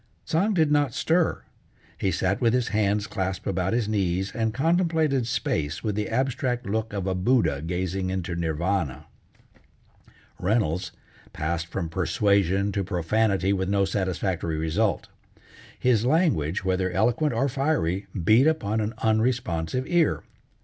Tsang did not stir; he sat with his hands clasped about his knees, and contemplated space with the abstract look of a Buddha gazing into Nirvana. Reynolds passed from persuasion to profanity with no satisfactory result. His language, whether eloquent or fiery, beat upon an unresponsive ear.